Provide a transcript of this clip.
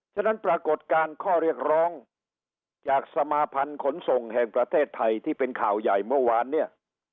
ฉะนั้นปรากฏการณ์ข้อเรียกร้องจากสมาพันธ์ขนส่งแห่งประเทศไทยที่เป็นข่าวใหญ่เมื่อวานเนี่ย